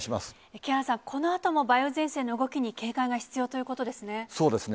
木原さん、このあとも梅雨前線の動きに警戒が必要ということですね。